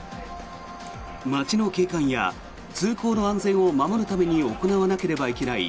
街の景観や通行の安全を守るために行われなければいけない